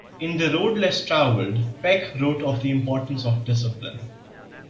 In "The Road Less Traveled", Peck wrote of the importance of discipline.